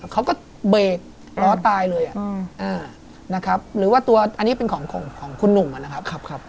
เขาก็เบรกล้อตายเลยนะครับหรือว่าตัวอันนี้เป็นของคุณหนุ่มนะครับ